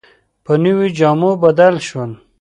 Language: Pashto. په نویو جامو بدل شول.